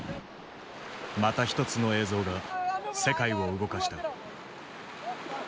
また一つの映像が世界を動かした。